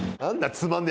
つまんね